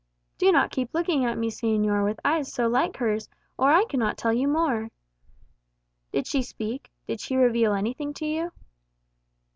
Do not keep looking at me, señor, with eyes so like hers, or I cannot tell you more." "Did she speak? Did she reveal anything to you?"